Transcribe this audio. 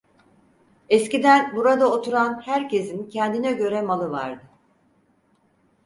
Eskiden burada oturan herkesin kendine göre malı vardı.